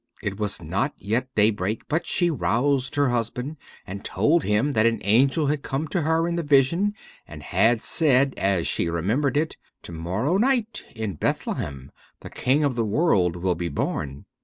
It was not yet daybreak, but she roused her husband and told him that an angel had come to her in the vision and had said, as she remembered it, "To morrow night in Bethlehem the King of the World will be born."